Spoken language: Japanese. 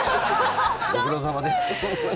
ご苦労さまです。